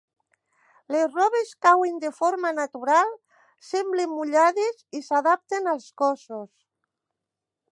Les robes cauen de forma natural, semblen mullades i s'adapten als cossos.